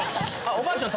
おばあちゃん